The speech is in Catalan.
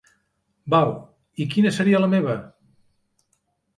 Val, i quina seria la meva?